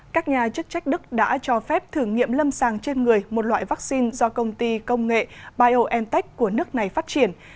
các nhà chức trách đức đã cho phép thử nghiệm lâm sàng trên người một loại vaccine do công ty công nghệ biontech của nước này phát triển